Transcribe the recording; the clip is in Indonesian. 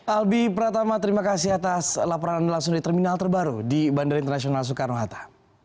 albi pratama terima kasih atas laporan anda langsung dari terminal terbaru di bandara internasional soekarno hatta